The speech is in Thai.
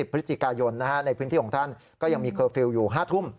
พฤศจิกายนในพื้นที่ของท่านก็ยังมีเคอร์ฟิลล์อยู่๕ทุ่ม